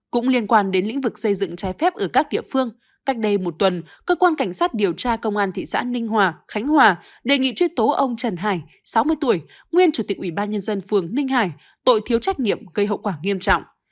cũng liên quan đến lĩnh vực xây dựng trái phép ở các địa phương cách đây một tuần cơ quan cảnh sát điều tra công an thị xã ninh hòa khánh hòa đề nghị truy tố ông trần hải sáu mươi tuổi nguyên chủ tịch ủy ban nhân dân phường ninh hải tội thiếu trách nhiệm gây hậu quả nghiêm trọng